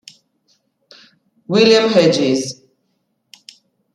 William Hedges.